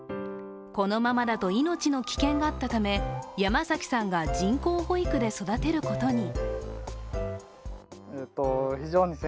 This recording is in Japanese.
このままだと命の危険があったため、山崎さんが人工哺育で育てることに。